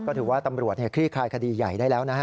ก็ถือว่าตำรวจคลี่คลายคดีใหญ่ได้แล้วนะฮะ